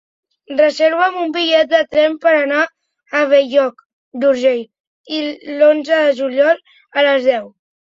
Reserva'm un bitllet de tren per anar a Bell-lloc d'Urgell l'onze de juliol a les deu.